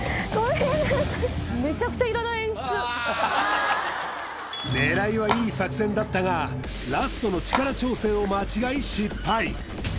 めちゃくちゃ狙いはいい作戦だったがラストの力調整を間違い失敗